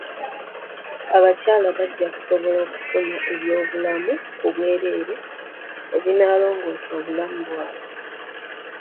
Abakyala bajja kusobola okufuna eby'obulamu ku bwereere ebinaalongoosa obulamu bwabwe.